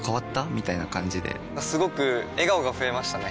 みたいな感じですごく笑顔が増えましたね！